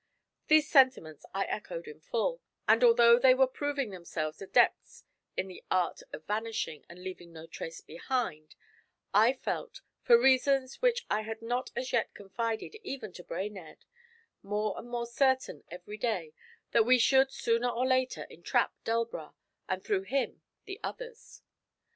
These sentiments I echoed in full; and although they were proving themselves adepts in the art of vanishing and leaving no trace behind, I felt for reasons which I had not as yet confided even to Brainerd more and more certain every day that we should sooner or later entrap Delbras, and through him the others.